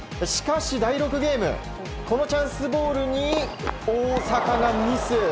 しかし、第６ゲームこのチャンスボールに大坂がミス。